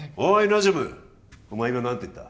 ナジュムお前今何て言った？